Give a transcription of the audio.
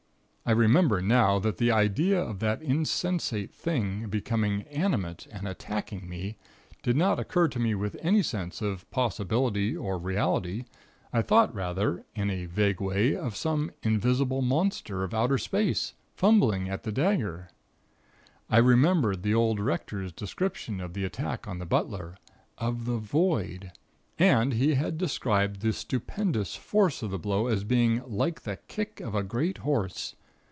I remember now, that the idea of that insensate thing becoming animate, and attacking me, did not occur to me with any sense of possibility or reality. I thought rather, in a vague way, of some invisible monster of outer space fumbling at the dagger. I remembered the old Rector's description of the attack on the butler.... of the void. And he had described the stupendous force of the blow as being 'like the kick of a great horse.'